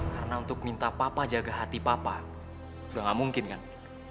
karena untuk minta papa jaga hati papa udah nggak mungkin kan